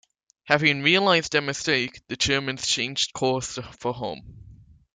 Having realised their mistake, the Germans changed course for home.